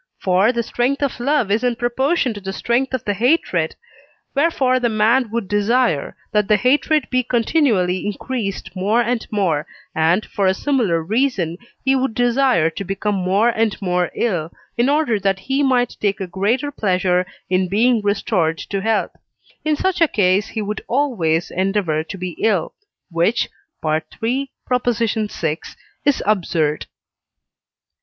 For the strength of love is in proportion to the strength of the hatred, wherefore the man would desire, that the hatred be continually increased more and more, and, for a similar reason, he would desire to become more and more ill, in order that he might take a greater pleasure in being restored to health: in such a case he would always endeavour to be ill, which (III. vi.) is absurd.